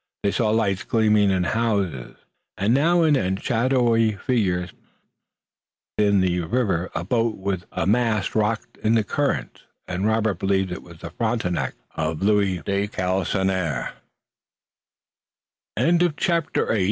They saw lights gleaming in houses, and now and then shadowy figures passing. Out in the river a boat with a mast rocked in the current, and Robert believed it was the Frontenac of Louis de Galisonnière.